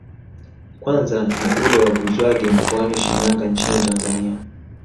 Kwanza ni ule wa Buzwagi mkoani Shinyanga nchini Tanzania